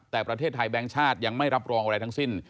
แต่ประเทศไทยแบงค์ชาติยังไม่รับรองอะไรทั้งสิ้น